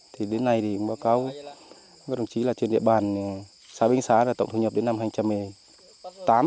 thì đến nay thì bà con đồng chí là trên đại bàn xá bình xá là tổng thu nhập đến năm hai nghìn một mươi tám